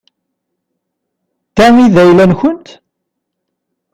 D ta i d ayla-nkent?